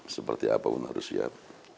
seperti apa pun harus siap